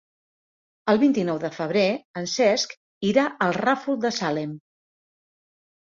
El vint-i-nou de febrer en Cesc irà al Ràfol de Salem.